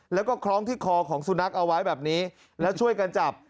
แล้วก็คล้องที่คอของสุนัขเอาไว้แบบนี้แล้วช่วยกันจับ